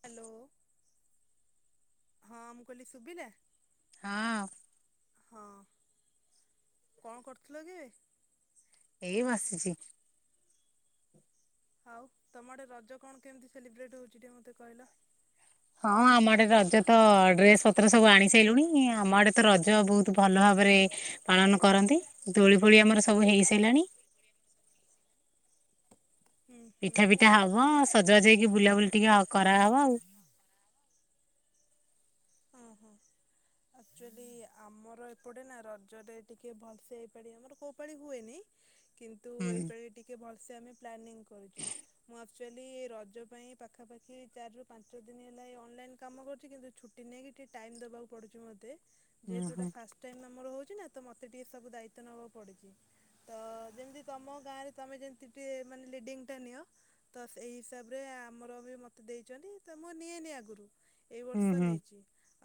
Hello ହଁ ମୁଁ କହିଲ ସୁଭିିଲା। ହଁ। ହଁ କଣ କରୁଥିଲ କି। ଏଇ ବସିଛି। ଆଉ ତମ ଆଡେ ରଜ କଣ କେମିତି ସେଲିବ୍ରେଟ୍ ହଉଛି ଟିକେ ମତେ କହିଲ, ହଁ ଆମ ଆଡେ ରଜ ତ ଡ୍ରେସ ପତ୍ର ସବୁ ଆଣି ସାରିଲୁଣି ଆମ ଆଡେ ତ ରଜ ବହୁତ ଭଲ ଭାବରେ ପାଳନ କରନ୍ତି ଦୋଳି ଫୋଳି ଆମର ସବୁ ହେଇ ସାରିଲାଣି ହୁଁ ହୁଁ ପିଠା ପିଠା ହବ ସଜବାଜ ହେଇକି ବୁଲାବୁଲି ଟିକେ କରାହବ ଆଉ ଆଚୁଆଲି ଆମର ଏପଟେ ନା ରଜରେ ଟିକେ ଭଲସେ ଏଇ ପାଳି ଆମର କୋଉ ପାଳି ହୁଏନି କିନ୍ତୁ ହୁଁ। ଏଇପାଳି ଟିକେ ଭଲ ସେ ଆମେ ପ୍ଲାନିଂ କରିଚୁ ମୁଁ ଆକଚୁଆଲି ରଜ ପାଇଁ ପାଖାପାଖି ଚାରି ରୁ ପାଞ୍ଚ ଦିନ ହେଲା ଅନଲାଇ କାମ କରୁଛି କିନ୍ତୁ ଛୁଟି ନେଇକି ଟିକେ ଟାଇମ ଦବାକୁ ପଡୁଚି ମୋତେ, ଯେହେତୁ ଏଇଟା ଓହୋ। ଫାଷ୍ଟ ଟାଇମ ଆମର ହଉଚି ଛି ନା ତ ମୋତେ ଟିକେ ସବୁ ଦାୟିତ୍ୱ ନେବାକୁ ପଡୁଛି ତ ଯେମିତି ତମ ଗାଁରେ ତମେ ଯେମିତି ଟିକେ ମାନେ ଲିଡ଼ିଙ୍ଗଟା ନିଅ ତ ସେଇ ହିସାବରେ ଆମର ବି ମୋତେ ଦେଇଛନ୍ତି ତ ମୁଁ ନିଏନି ଆଗରୁ, ଏଇ ହୁଁ ବର୍ଷ ହୁଁ। ନେଇଛି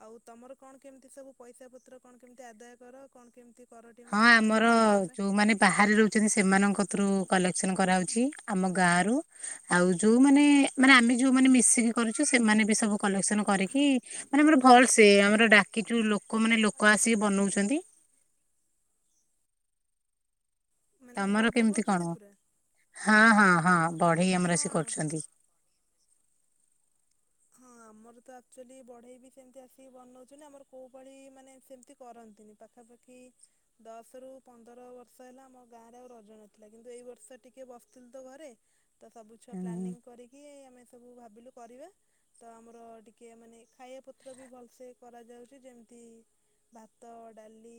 ଆଉ ତମର କଣ କେମିତି ସବୁ ପଇସା ପତ୍ର କଣ କେମିତି ଆଦାୟ କର କଣ କେମିତି କର ଟିକେ ହଁ ମତେ କହିଲ ଆମର ରଜ ପାଇଁ ଯୋଉମାନେ ବାହାରେ ରହୁଛନ୍ତି ସେମାନଙ୍କ ତୁରୁ କଲେକ୍ସନ କରାହେଉଛି ଆମ ଗାଁରୁ ଆଉ ଯୋଉମାନେ ମାନେ ଆମେ ଯୋଉମାନେ ମିଶିକି କରୁଛୁ ସେମାନେ ବି ସବୁ କଲେକ୍ସନ କରିକି ମାନେ ଆମର ଭଲ ସେ ଆମର ଡାକିଚୁ ଲୋକ ମାନେ ଲୋକ ଆସିକି ବନଉଛନ୍ତି, ମାନେ ତମର କେମିତି କଣ, ବନଉଛନି ପୁରା ହଁ ହଁ ହଁ, ବଢେଇ ଆମର ଆସି ହଁ କରୁଛନ୍ତି, ହଁ ଆମର ତ ଆକ୍ଚୁଆଲି ବଢେଇ ବି ସେମିତି ଆସିକି ବନଉଛୁ ଆମର କୋଉ ଭଳି ମାନେ ସେମିତି କରନ୍ତିନି, ପାଖାପାଖି ଦଶ ରୁ ପନ୍ଦର ବର୍ଷ ହେଲା ଆମ ଗାଁ ରେ ଆଉ ରଜ ନଥିଲା କିନ୍ତୁ ଏଇ ବର୍ଷ ଟିକେ ବସିଥିଲୁ ତ ଘରେ ତ ସବୁ ଛୁଆ ପ୍ଲାନିଂ କରିକି ଆମେ ସବୁ ଭାବିଲୁ କରିବା ତ ଆମର ଟିକେ ମାନେ ଖାଇବା ପତ୍ର ବି ଭଲସେ କରାଯାଉଛି ଯେମିତି ଭାତ ଡାଲି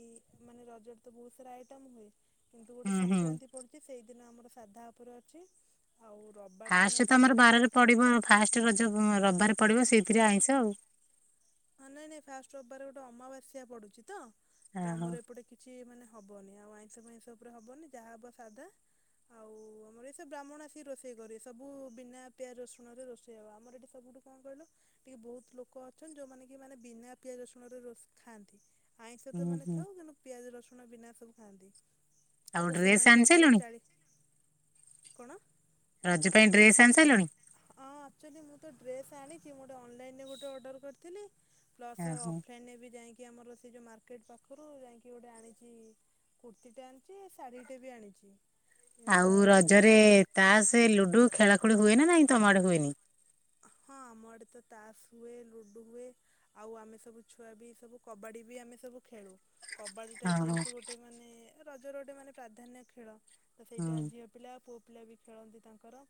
ମାନେ ରଜରେ ତ ବହୁତ ସାରା ଆଇଟମ ହୁଏ। କିନ୍ତୁ ଗୋଟେ ହୁଁ ହୁଁ। ସଂକ୍ରାନ୍ତି ପଡୁଛି ସେଇଦିନ ଆମର ସାଧା ଉପରେ ଅଛି ଆଉ ରବିବାର ଦିନ ଫାଷ୍ଟ ବି ତ ଗୋଟେ ଆମର କଣ ବାରରେ ପଡିବ ଫାଷ୍ଟ ରଜ ରବିବାର ପଡିବ ସେଇଥିରେ ଆଇଁସ ଆଉ, ହ ନାଇଁ ନାଇଁ ଫାଷ୍ଟ ରବିବାର ଗୋଟେ ଅମାବାସ୍ୟା ପଡୁଛି ତ ତ ଓହୋ ଆମର ଏପଟେ କିଛି ମାନେ ହବନି ଆଉ ଆଇଁଷ ଫାଇଁଷ ଉପରେ ହବନି ଯାହା ହବ ସାଧା ଆଉ ଆମର ଏସ ବ୍ରାହ୍ମଣ ଆସିକି ରୋଷେଇ କରରେ ସବୁ ବିନା ପିଆ ରସୁଣ ରେ ରୋଷେଇ ହବ ଆମର ଏଠି ସବୁଠୁ କଣ କହିଲ ଟିକେ ବହୁତ ଲୋକ ଅଛନ୍ତି ଯୋଉମାନେ କି ମାନେ ବିନା ପିଆଜ ରସୁଣରେ ରୋ ଖାଆନ୍ତି, ଆଇଁଷ ତ ହୁଁ ମାନେ ହୁଁ ଥାଉ କିନ୍ତୁ ପିଆଜ ରସୁଣ ବିନା ସବୁ ଖାଆନ୍ତି ତ ଆଉ ଡ୍ରେସ ସେମାନେ ଆଣି ପାଖାପାଖି ସାରିଲୁଣି ଚାଳିଶ କଣ ରଜ ପାଇଁ ଡ୍ରେସ୍ ଆଣି ସାରିଲୁଣି। ହଁ ଆକ୍ଚୁଆଲି ମୁଁ ତ ଡ୍ରେସ ଆଣିଛି ମୁଁ ଗୋଟେ ଅନଲାଇନରେ ଗୋଟେ ଅର୍ଡର କରିଥିଲି ପ୍ଲସ ଓହୋ। ଅଫ ଲାଇନରେ ବି ଯାଇକି ଆମର ସେ ଯୋଉ ମାର୍କେଟ ପାଖରୁ ଯାଇକି ଗୋଟେ ଆଣିଛି କୁର୍ତ୍ତିୀଟେ ଆଣିଛି ଶାଢୀ ଟେ ବି ଆଣିଛି। ତ ଆଉ ରଜରେ ସେଥି ତାସ ଲୁଡୁ ଖେଳା ଖୁଳୁ ହୁଏ ନା ନାଇଁ ତମ ଆଡେ ହୁଏନି। ହଁ ଆମ ଆଡେ ତ ତାସ ହୁଏ ଲୁଡୁ ହୁଏ ଆଉ ଆମେ ସବୁ ଛୁଆ ବି ସବୁ କବାଡି ବି ଆମେ ସବୁ ଖେଳୁ। କବାଡିଟା ହଁ ହଁ। ଯେହେତୁ ଗୋଟେ ମାନେ। ରଜ ରେ ଗୋଟେ ମାନେ ପ୍ରାଧାନ୍ୟ ଖେଳ। ତ ସେଇଟା ହୁଁ ଝିଅ ପିଲା। ପିଲା ବି ଖେଳନ୍ତି ତାଙ୍କର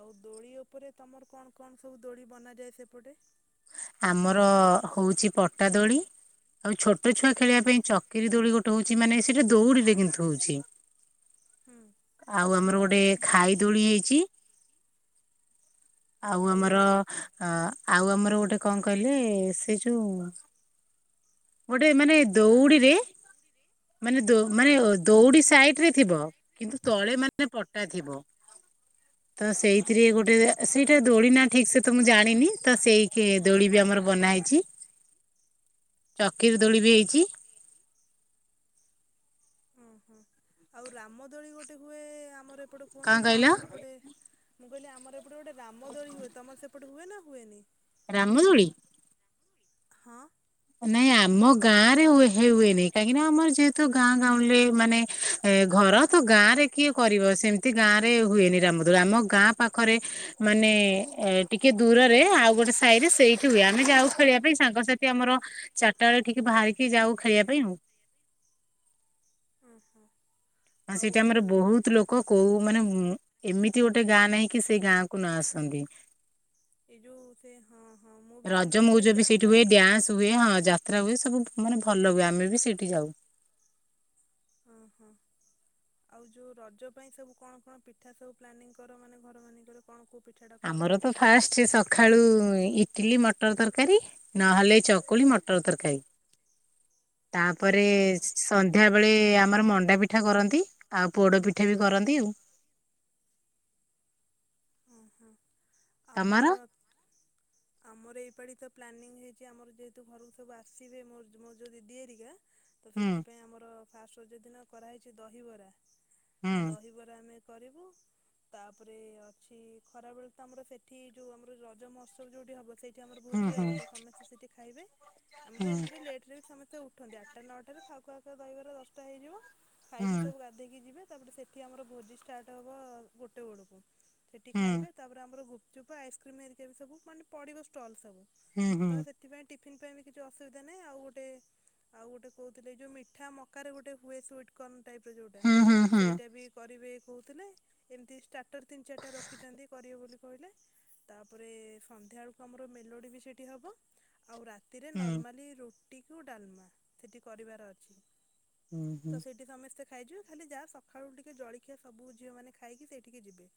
ଆଉ ଦୋଳି ଉପରେ ତମର କଣ। କଣ ସବୁ ଦୋଳି ବନାଯାଏ ସେପଟେ ଆମର ହଉଛି ପଟା ଦୋଳି ଆଉ ଛୋଟ ଛୋଟଛୁଆ ହୁଁ। ଖେଳିବା ପାଇଁ ଚକ୍ରିଦୋଳି ଗୋ ଟଉଛି ମାନେ ସେଇଟା ଦୌଡ଼ିରେ କିନ୍ତୁ ହଉଛି ହୁଁ ଆଉ ଆମର ଗୋଟେ ଗୋଟେ ଖାଇ ଦୋଳି ହେଇଛି ଆଉ ଆମର ଅ ଆଉ ଆମର ଗୋଟେ କଣ କହିଲେ ସେ ଯୋଉ ଗୋଟେ ମାନେ ଦଉଡିରେ ମାନେ ଦ ହୁଁ ମାନେ ଦୌଡି ସାଇ ଥିବ କିନ୍ତୁ ତଳେ ମାନେ ପଟା ଥିବ ତ ହୁଁ ସେଇଥିରେ ହୁଁ। ଗୋଟେ ସେଇଟା ଦୋଳି ନା ଠିକ ସେ ତ ମୁଁ ଜାଣିନି ତ ସେଇ କେ ଦୋଳି ବି ଆମର ବନା ହେଇଛି ଚକିରି ଦୋଳି ବି ହେଇଛି ହୁଁ ହୁଁ ଆଉ ରାମ ଦୋଳି ଗୋଟେ ହୁଏ ଆମର ଏପଟେ କଣ କୁହନ୍ତି ମୋ କହିଲ ମାମୁଁଘର ପଟେ ମୁଁ କହିଲି ଆମର ଏପଟେ ଗୋଟେ ରାମ ଦୋଳି ହୁଏ ତମର ସେପଟେ ହୁଏ ନା ହୁଏନି ରାମ ଦୋଳି ହଁ ନାଇଁ ଆମ ଗାଁ ରେ ହୁଏନି କାହିଁକି ନା ଆମର ଯେହେତୁ ଗାଁ ଗାଁଉଲି ରେ ମାନେ ଘର ତ ଗାଁ ରେ କିଏ କରିବ ସେମିତି ଗାଁ ରେ ହୁଏନି ରାମ ଦୋଳି ଆମ ଗାଁ ପାଖରେ ମାନେ ଟିକେ ଦୂରରେ ଆଉ ଗୋଟେ ସାହିରେ ସେଇଠି ହୁଏ ଆମେ ଯାଉ ଖେଳିବା ପାଇଁ ସାଙ୍ଗସାଥି ଆମର ଚାରିଟା ବେଳେ ଟିକେ ବାହାରିକି ଯାଉ ଖେଳିବା ପାଇଁ ଓ ହୋ ହଁ ସେଇଟା ଆମର ବହୁତ ଲୋକ କୋଉ ମାନେ ହୁଁ ଏମିତି ଗୋଟେ ଗାଁ ନାହିଁ କି ସେଇ ଗାଁ କୁ ନ ଆସନ୍ତି ଏଇ ଯୋଉ ସେ ହଁ ହଁ ମୁଁ ବି ରଜ ଶୁଣିଥିଲି ମଉଜ ସେଠି ବି ସେଇଠି ଯାତ୍ରା। ହୁଏ ଡ୍ୟାନ୍ସ ହୁଏ ହଁ ଯାତ୍ରା ହୁଏ ସବୁ ମାନେ ଭଲ ହୁଏ ଆମେ ବି ସେଇଠି ଯାଉ। ହୁଁ ହୁଁ। ଆଉ ଯୋଉ ରଜ ପାଇଁ ସବୁ କଣ କଣ ପିଠା ସବୁ ପ୍ଲାନିଂ କର ମାନେ ଘର ମାନଙ୍କରେ କଣ କ। ଆମର ତ ଫାଷ୍ଟ ସକାଳୁ। ଚିଲି ମଟର ତରକାରୀ ନହେଲେ ଚକୁଳି ମଟର ତରକାରୀ। ତାପରେ ଆଉ ସନ୍ଧ୍ୟା ବେଳେ। ଆମର ମଣ୍ଡା ପିଠା କରନ୍ତି ଆଉ ପୋଡ ପିଠା ବି କରନ୍ତି ଆଉ [unintelligible] ହଁ ହଁ ତମର ଆମର ଆମର ଏଇପଳି ତ ପ୍ଲାନିଙ୍ଗ ହେଇଛି ଆମର ଯେହେତୁ ଘରକୁ ସବୁ ଆସିବେ ମୋ ମୋ ଯେଉଁ ଦିଦି ଏରିକା ତ ହୁଁ ସେଥିପାଇଁ ଆମର ଫାଷ୍ଟ ରଜ ଦିନ କରାହେଇଚଛି ଦହିବରା ହୁଁ ଦହିବରା ଆମେ କରିବୁ ତାପରେ ଅଛି ଖରାବେଳ ତମର ସେଠି ଯୋଉ ଆମର ରଜ ମହୋତ୍ସବ ଯୋଉଠି ହବ ସେଇଠି ଆମର ହୁଁ ଭୋଜି ହୁଁ ହବ ତ ସମସ୍ତେ ସେଠି ଖାଇବେ ଆମ ତ ହୁଁ ଏମତିରେ ଲେଟ ସମସ୍ତେ ଉ ଉଠୁନ୍ତି ଆଠଟା ନଅଟାରେ ଖାକୁ ଆଖ ଦହିବାର ଦଶଟା ହେଇଯିବ ଖାଇକି ସବୁ ଗାଧେଇକି ଯିବେ ତାପରେ ସେଠି ଆମର ଭୋଜି ଷ୍ଟାର୍ଟ ହେବ ଗୋଟେ ବଳକୁ। ସେଟି ହୁଁ ଖାଇବେ ତାପରେ ଆମର ଗୁପଚୁପ ଆଇସ୍କ୍ରିମ୍ ବି ସବୁ ମାନେ ପଡିବ ଷ୍ଟଲ୍। ସବୁ ହୁଁ ହୁଁ ତ ସେଥିପାଇଁ ଟିଫିନ ପାଇଁ ବି କିଛି ଅସୁବିଧା ନାହିଁ ଆଉ ଗୋଟେ ଆଉ ଗୋଟେ କହୁଥିଲେ ଯେଉଁ ମିଠା ମକାରେ ଗୋଟେ ହୁଏ ସୁଇଟ୍ କର୍ଣ ଟାଇପ ର ଯୋଉଟା ହୁଁ ହୁଁ ହୁଁ ହୁଁ ସେଇଟା ବି କରିବେ। କହୁଥିଲେ ଏମିତି ଷ୍ଟାର୍ଟର ତିନି ଚାରିଟା ରଖିଛନ୍ତି। ହ ତାପରେ ସଧ୍ୟା ବଳକୁ ଆମର ମେଲୋଡ଼ି ବି ସେଠି ହବ ଆଉ ରାତିରେ ନର୍ମାଲି ର ଟିକି ଡାଲମା ସେଠି କରିବାର ଅଛି। ହୁଁ ତ ହୁଁ ସେଇଠି ସମସ୍ତେ ଖାଇଯିବ ଖାଲି ଯାହା ସକାଳୁ ଟିକେ ଜଳଖିଆ ସବୁ ଝିଅମାନେ ଖାଇକି ସେଇଠିକି ଯିବେ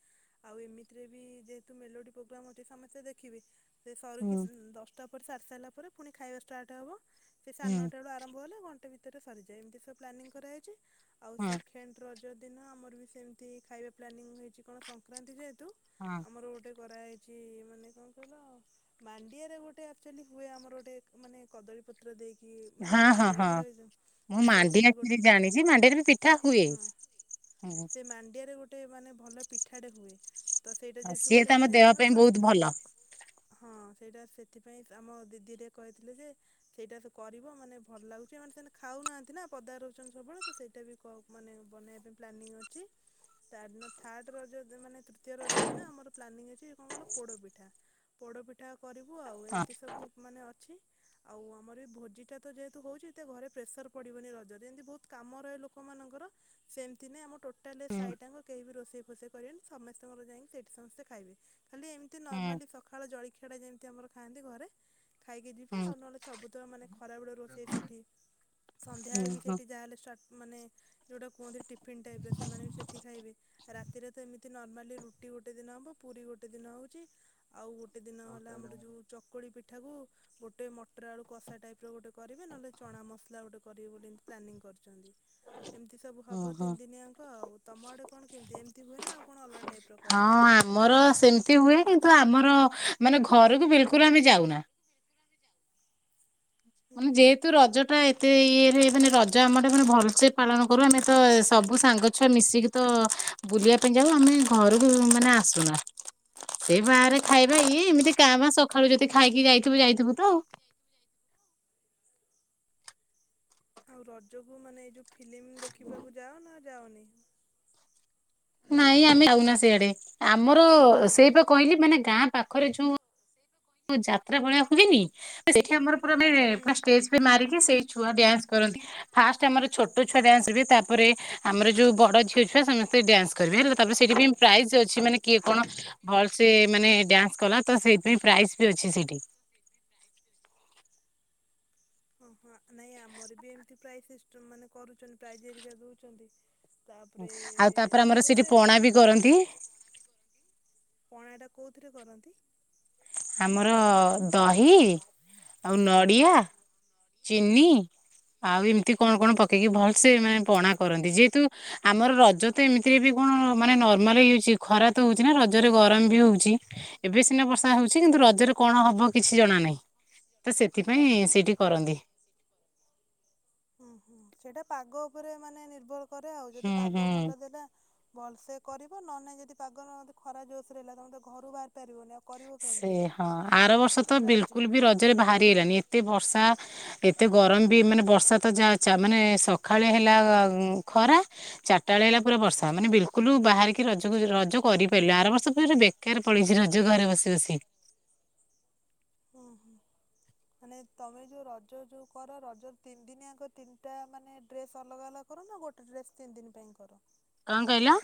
ଆଉ ଏମିତି ରେ ଯେହେତୁ ମେଲୋଡି ପ୍ରୋଗ୍ରାମ ଅଛି ସମସ୍ତେ ଦେଖିବେ ସେ ସରୁ ହୁଁ କି ଦଶଟା ଉପି ସାରି ସାରିଲା ପରେ ପୁଣି ଖାଇବା ଷ୍ଟାର୍ଟ ହେବ ସେ ହୁଁ ସାଢ଼େ ହୁଁ ନଅ ଟା ବେଳୁ ଆରମ୍ଭ ହେଲ ଘଣ୍ଟେ ବି ଭିତରେ ସରିଯାଏ ଏମିତି ସବୁ ପ୍ଲାନିଙ୍ଗ କରାଯାଇଛି। ଆଉ ହଁ ସେକେଣ୍ଡ ର ଜ ଦିନ ଆମର ବି ସେମିତି ଖାଇବା ପ୍ଲାନିଂ ହେଇଛି କଣ ସଂକ୍ରାନ୍ତି ଯେହେତୁ ଆମର ଗୋଟେ କରାହେଇଛି ମାନେ କଣ କହିଲ ମାଣ୍ଡିଆରେ ଗୋଟେ ଆକଚୁଲି ହୁଏ ଆମର ଗୋଟେ ମାନେ କଦଳୀ ପତ୍ର ଦେଇକି ମାନେ ହଁ ହଁ ବନାଯାଏ ହଁ ଗୋଟେ ମୁଁ ତ ମାଣ୍ଡି ସେଇଟା ବି ଗୋଟେ ଆସି ଜାଣିଛି ମାଣ୍ଡିରେ ବି ପିଠା ହୁଏ ହଁ ହୁଁ। ସେ ମାଣ୍ଡିଆରେ ଗୋଟେ ମାନେ ଭଲ ପିଠାଟେ ହୁଏ। ତ ସେଇଟା ଆଉ ଯେହେତୁ ସିଏ ଗୋଟେ ତ ଆମ ମାନେ ଦେହ ମାନେ ପାଇଁ ବହୁତ ସସ୍ଥ୍ୟ ଭଲ ହଁ ସେଇଟା ସେଥିପାଇଁ ଆମ ଦିଦିଟି କହିଥିଲେ ଯେ ସେଇଟା ସେ କରିବ ମାନେ ଭଲ ଲାଗୁଛି ମାନେ ସେ ଖାଉନାହାନ୍ତି ନା ପଦା ରହୁଛନ୍ତି ସବୁବେଳେ ତ ସେଇଟା ବି ମାନେ ବନେଇବା ପାଇଁ ପ୍ଲାନିଂ ଅଛି ତା ଥାର୍ଡ଼ର ରଯ ମାନେ ଦ୍ୱିତୀୟ ରଜ ଦିନ ଆମର ପ୍ଲାନିଂ ଅଛି କଣ କହିଲ ପୋଡପିଠା ପୋଡପିଠା କରିବୁ ଆଉ ହଁ ଏମିତି ସବୁ ମାନେ ଅଛି। ଆଉ ଆମର ଏ ଭୋଜି ଟା ତ ଯେହେତୁ ହଉଛି ଏ ଘରେ ପ୍ରେସର ପଡିବନି ରଜରେ ଯେମିତି ବହୁତ କାମ ରହେ ଲୋକମାନଙ୍କର ସେମିତି ନାଇଁ ଆମ ଟୋଟାଲ ହୁଁ ସାାଇ ଟାଙ୍କ କେହି ବି ରୋଷେଇ ଫୋଷେଇ କରିବେନି ସମସ୍ତେ ାଇି ସେଠି ସମସ୍ତେ ଖାଇବେ ଖାଲି ଏମିତି ହୁଁ ନର୍ମାଲି ସକାଳ ଜଳଖିଆ ଟା ଯେମିତି ଆମର ଖାଆନ୍ତି ଘରେ ଖାଇକି ଯିବେ ହୁଁ ଆଉ ନହେଲେ ଚବ ତ ମାନେ ଖରାବେଳେ ରୋଷେଇ ସେଠି ହୁଁ ସନ୍ଧ୍ୟାବେଳେ ବି ହୁଁ ସେଠି ଯାହେଲେ ମାନେ ଯୋଉଟା କୁହନ୍ତି ଟିଫନ୍ ଟାଇପ ସେମାନେ ବି ସେଠି ଖାଇବେ ରାତିରେ ତ ଏମତିମା ରୁଟି ଗୋଟେ ଦିନ ହବ ପୁରୀ ଗୋଟେ ଦିନ ହଉଛି ଆଉ ଗଟ ଗୋଟେ ଦିନ ହେଲା ଆମର ଯୋଉ ଚକୁଳି ପି ଏଠାକୁ ଗୋଟେ ମଟର ଆଳୁ କଷା ଟାଇପ ର ଗୋଟେ କରିବେ ନହେଲେ ଚଣା ମସଲା ଗୋଟେ କରିବେ ବୋଲିମତି ପ୍ଲାନିଂ କରିଛନ୍ତି ଏମିତି ସବୁ ହୁଁ ହବ ହୁଁ ତିନି ଦିନିଆଙ୍କ ଆଉ ତମ ଆଡେ କଣ କେମିତି ଏମିତି ହୁଏ ନା ଆଉ କଣ ଅଲା ଟାଇପ ର କରନ୍ତି। ସେମତି ହୁଏ କିନ୍ତୁ ଆମର ମାନେ ଘରକୁ ବିଲକୁଲ ଆମେ ଯାଉନା ହୁଁ ମାନେ ହୁଁ ଯେହେତୁ ରଜ ଟା ଏତେ ଇଏ ମାନେ ରଜ ଆମଟେ ମାନେ ଭଲସେ ପାଳନ କରୁ ଆମେ ତ ସବୁ ସାଙ୍ଗ ଛୁଆ ମିଶିକି ତ ବୁଲିବା ପାଇଁ ଯାଉ ଆମେ ଘରକୁ ମାନେ ଆସୁନା ସେଇ ବାହାରେ ଖାଇବା ଇଏ ଏମିତି କା ବା ସକାଳୁ ଯଦି ଖାଇକି ଯାଇଥିବୁ ଯାଇଥିବୁ ତ ଆଉ ଆଉ ରଜକୁ ମାନେ ଏଇ ଯୋଉ ଫିଲ୍ମ ଦେଖିବାକୁ ଯାଅ ନା ଯାାଉନି ନାଇଁ ଆମେ ଯାଉନା ସେଆଡେ ଆମର ମୁଁ କହିଲି ସେଇ ବା କହିଲି ମାନେ ଗାଁ ପାଖ ଖରେଛୁ ଯାତ୍ରା ଭଳିଆ ହୁଏନି ସେଠି ଆମର ପୁରେ ହୁଁ। ପୁରା ଷ୍ଟେଜ ମାରିକି ସେଇ ଛୁଆ ଡ୍ୟାନ୍ସ କରନ୍ତି ଫାଷ୍ଟ ଆମର ଛୋଟ ଛୁଆ ଡ୍ୟାନ୍ସ କରିବେ ତାପରେ ଆମର ଯୋଉ ବଡ ଝିଅ ଛୁଆ ସମସ୍ତେ ଡ୍ୟାନ୍ସ କରିବେ ହେଲା ତାପରେ ସେଇଥିପାଇଁ ପ୍ରାଇଜ ଅଛି ମାନେ କିଏ କଣ ଭଲସେ ମାନେ ଡ୍ୟାନ୍ସ କଲା ତ ସେଇଥିପାଇଁ ପ୍ରାଇଜ ଅଛି ସେଇଠି ଓହୋ ନାଇଁ ଆମର ବି ଏମତି ପ୍ର ମାନେ କରୁଛନ୍ତି ପ୍ରରିକ ଦଉଛନ୍ତି। ଆଉ ତାପରେ ଆମର ସେଇଠି ପଣା ବି ମାତ୍ର କରନ୍ତି। ପଣା ଟା କୋଉଥିରେ କରନ୍ତି। ଆମର ଦହି ଆଉ ନଡ଼ିଆ ଚିନି ଆଉ ଏମିତି କଣ କଣ ପକେଇକି ଭଲ ସେେ ମାନେ ପଣା କରନ୍ତି ଯେହେତୁ ଆମର ରଜ ତ ଏମିତି କଣାନେ କି ଖରା ତ ହଉଛି ନା ରଜରେ ଗରମ ବି ହଉଛି ଏବେ ସିନା ହେଉଛି କିନ୍ତୁ ରଜରେ କଣ ହବ କିଛି ଜଣା ନାହିଁ ତ ସେଥିପାଇଁ ସେଇଠି କରନ୍ତି। ହୁଁ ହୁଁ ସେଇଟା ପାଗ ଉପରେ ମାନେ ନିର୍ଭର କରେ ଆଉ ଯଦି ହୁଁ ପାଗ ହୁଁ ଭଲ ଦେଲା ଭଲସେ କରିବ ନ ନାଇଁ ଯଦି ପାଗେ ଖରା ଜୋସ ରହିଲ ତମ ତେ ଘରୁ ବାହାରି ପାରିବନିଉ ସେ ହଁ ଆର ବର୍ଷ ତ ଆଜି ବିଲକୁଲ ବି ରଜରେ ବାହାରି ହେଲଣିି ଏ ଏତେ ବର୍ଷା ଏତେ ଗରମ ବି ମାନେ ବର୍ଷା ତ ଯା ମାନେ ସଖଳେ ହେଲା ଖରା ଚାରିଟା ବେଳେ ହେଲା ପୁରା ବର୍ଷା ମାନେ ବିଲକୁଲ ବାହାରିକି ରଜକୁ ରଜ କରି ପାରିଲ ଆର ବର୍ଷ ପ ବେକାର ପଳଛି ରଜ ଘରେ ବସି ଚାସି ହୁଁ ହୁଁ ମାନେ ତମେ ଯୋଉ ରଜ ଯୋଉ କର ରଜ ତିନି ଦିନି ଆଗ ତିନିଟା ମାନେ ଡ୍ରେସ ଅଲଗା ଅଲଗା କର ନା ଗୋଟେ ଡ୍ରେସ ତିନି ଦିନ ପାଇଁ କର କଣ କହିଲା?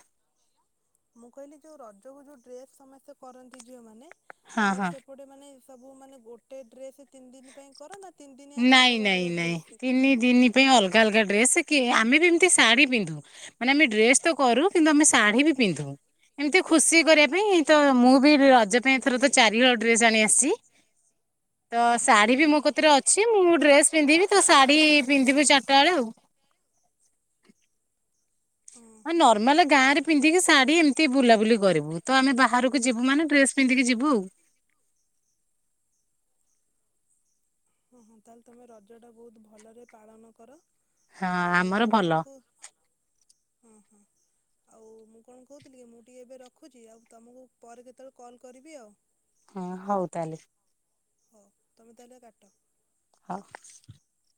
ମୁଁ କହିଲି ଯୋଉ ରଜକୁ ଯୋଉ ଡ୍ରେସ୍ ସମସ୍ତେ କରନ୍ତି ଝିଅମାନେ- ହଁ ତମର ହଁ। ସେପଟେ ମାନେ- ସବୁ ମାନେ ଗୋଟେ ଡ୍ରେସ୍ ତିନି ଦିନ୍ ପାଇଁ କର ନା ତିନି ଦିନିଆଙ୍କ ନାଇଁ ଅଲଗା ନାଇଁ ଅଲଗା ନାଇଁ ଡ୍ରେସ୍ କର ତିନି ଦିନି ପାଇଁ ଅଲଗା ଅଲଗା ଡ୍ରେସ୍ କି ଆମେ ବି ଏମିତି ଶାଢ଼ୀ ପିନ୍ଧୁ ମାନେ ଆମେ ଡ୍ରେସ୍ ତ କରୁ କିନ୍ତୁ ଆମେ ଶାଢ଼ୀ ବି ପିନ୍ଧୁ ଏମିତି ଖୁସି କରିବା ପାଇଁ ତ ମୁଁ ବି ରଜ ପାଇଁ ଏଥର ତ ଚାରିହଳ ଡ୍ରେସ୍ ଆଣି ଆସିଛି। ତ ହୁଁ ଶାଢ଼ୀ ହୁଁ। ବି ମୋ କତିରେ ଅ ମୁଁ ଡ୍ରେସ୍ ପିନ୍ଧିବି ତ ଶାଢ଼ୀ ପିନ୍ଧିବି ଚାରଟା ବେଳେ ଆଉ ଓଁ ହଁ ନର୍ମାଲ ଗାଁ ରେ ପିନ୍ଧିକି ଶାଢ଼ୀ ଏମିତି ବୁଲାବୁଲି କରିବୁ ତ ଆମେ ବାହାରକୁ ଯିବୁ ମାନେ ଡ୍ରେସ୍ ପିନ୍ଧିକି ଯିବୁ। ତାହେଲେ ତମେ ରଜ ଟା ବହୁତ୍ ଭଲ ରେ ପାଳନ କର। ହଁ ଆଉ ମୁଁ ଆମର କଣ ଭଲ। କହୁ ଆଉ ମୁଁ କଣ କହୁଥିଲି କି ମୁଁ ଟିକେ ଏବେ ରଖୁଛି ଆଉ ତମକୁ ପରେ କେତେବେଳେ କଲ୍ କରିବି ଆଉ ହଁ ହଉତାହେଲେ। ହଉ ତମେ ତାହେଲେ କାଟ। [inaudible]